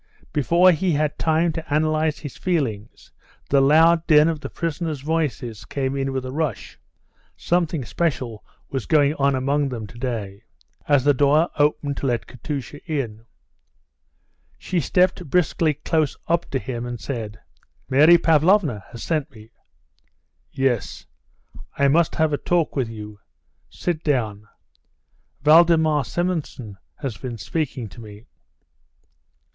Before he had time to analyse his feelings the loud din of the prisoners' voices came in with a rush (something special was going on among them to day) as the door opened to let Katusha in. She stepped briskly close up to him and said, "Mary Pavlovna has sent me." "Yes, I must have a talk with you. Sit down. Valdemar Simonson has been speaking to me."